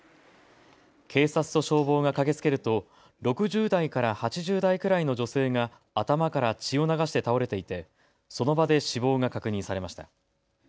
警察と消防が駆けつけると６０代から８０代くらいの女性が頭から血を流して倒れていてその場で死亡が確認されました。